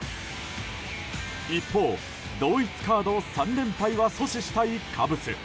一方、同一カード３連敗は阻止したいカブス。